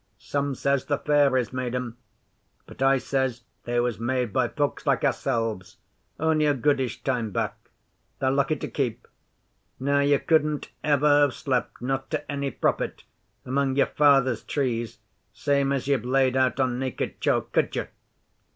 Some says the fairies made 'em, but I says they was made by folks like ourselves only a goodish time back. They're lucky to keep. Now, you couldn't ever have slept not to any profit among your father's trees same as you've laid out on Naked Chalk could you?